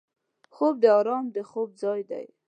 خوب د آرام د خوب ځای دی